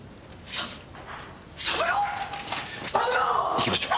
さ行きましょう。